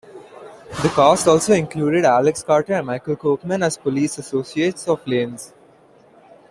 The cast also included Alex Carter and Michael Copeman as police associates of Lane's.